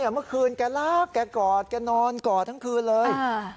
เมื่อคืนแกรักแกกอดแกนอนกอดทั้งคืนเลย